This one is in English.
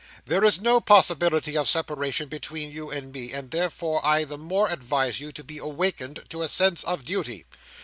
There is no possibility of separation between you and me, and therefore I the more advise you to be awakened to a sense of duty.